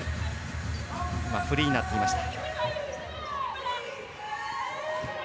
フリーになっていました。